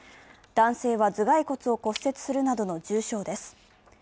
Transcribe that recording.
男性は頭蓋骨を骨折するなどの重傷です。